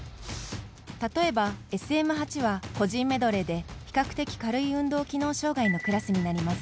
例えば、ＳＭ８は個人メドレーで比較的軽い運動機能障がいのクラスになります。